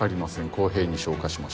公平に評価しました。